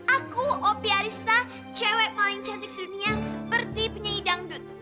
aku opie arista cewek paling cantik di dunia seperti penyanyi dangdut